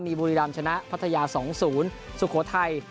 มีบุรีรำชนะพัทยา๒๐สุโขทัย